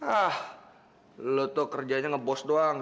ah lo tuh kerjanya ngebos doang